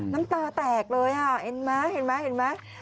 น้ำตาแตกเลยเห็นไหม